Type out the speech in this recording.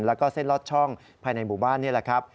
แล้วก็เส้นลอดช่องภายในหมู่บ้านนี่แหละครับ